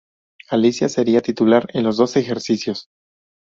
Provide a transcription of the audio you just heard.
Alicia sería titular en los dos ejercicios.